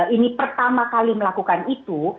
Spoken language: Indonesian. ini pertama kali melakukan itu